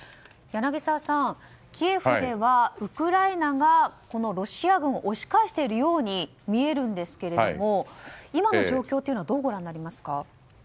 柳澤さん、キエフではウクライナがロシア軍を押し返しているように見えるんですけれども今の状況はどうご覧になりますか。